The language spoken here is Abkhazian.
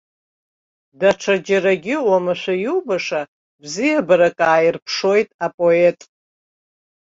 Даҽаџьарагьы уамашәа иубаша бзиабарак ааирԥшуеит апоет.